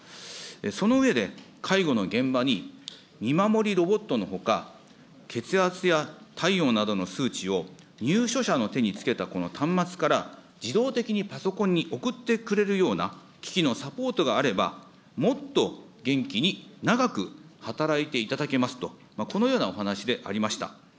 その上で、介護の現場に見守りロボットのほか、血圧や体温などの数値を、入所者の手につけた端末から自動的にパソコンに送ってくれるような機器のサポートがあれば、もっと元気に長く働いていただけますと、このようなお話でありました。